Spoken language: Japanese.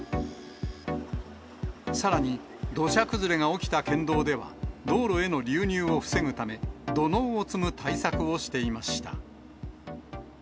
さらに、土砂崩れが起きた県道では、道路への流入を防ぐため、土のうを積む対策をしていました。